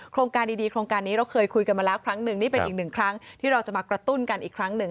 การดีโครงการนี้เราเคยคุยกันมาแล้วครั้งหนึ่งนี่เป็นอีกหนึ่งครั้งที่เราจะมากระตุ้นกันอีกครั้งหนึ่ง